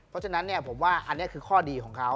เพราะฉะนั้นผมว่าอันนี้คือข้อดีของเขา